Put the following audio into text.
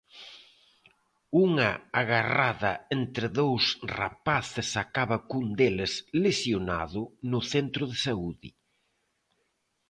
Unha agarrada entre dous rapaces acaba cun deles lesionado no centro de saúde.